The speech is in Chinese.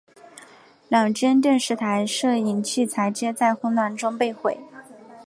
两间电视台摄影器材皆在混乱中被毁。